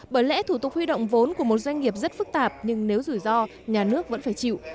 bởi lẽ thủ tục huy động vốn của một doanh nghiệp rất phức tạp nhưng nếu rủi ro nhà nước vẫn phải chịu